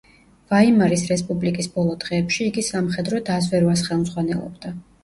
ვაიმარის რესპუბლიკის ბოლო დღეებში იგი სამხედრო დაზვერვას ხელმძღვანელობდა.